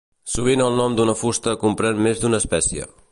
Sovint el nom d'una fusta comprèn més d'una espècie.